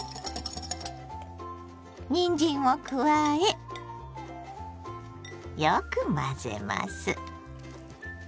にんじんを加えよく混ぜます。